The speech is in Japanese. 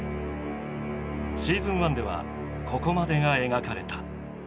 シーズン１ではここまでが描かれた。